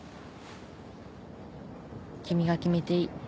君が決めていい